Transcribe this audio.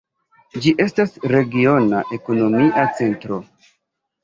Ĝi estas regiona ekonomia centro.